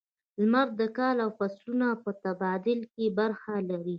• لمر د کال او فصلونو په تبادله کې برخه لري.